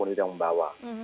siapapun itu yang membawa